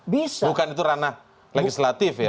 bukan itu ranah legislatif ya